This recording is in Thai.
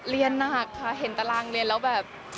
เรียนหนักค่ะเห็นตารางเรียนแล้วแบบ